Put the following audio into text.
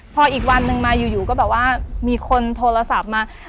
พออีกวันนึงมาอยู่ก็แบบว่ามีคนโทรศัพท์มา